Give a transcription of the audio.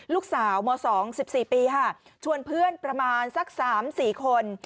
ลูกสาวม๒๑๔ปีค่ะชวนเพื่อนประมาณสัก๓๔คน